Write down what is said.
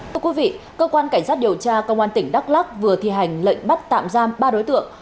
thưa quý vị cơ quan cảnh sát điều tra công an tỉnh đắk lắc vừa thi hành lệnh bắt tạm giam ba đối tượng